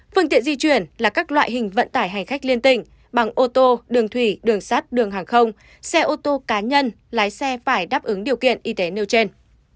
phương tiện di chuyển là các loại hình vận tải hành khách liên tỉnh bằng ô tô đường thủy đường sắt đường hàng không xe ô tô cá nhân lái xe phải đáp ứng điều kiện y tế nêu trên